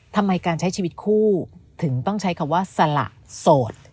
ทำไมการใช้ชีวิตคู่ถึงต้องใช้คำว่าสละโสด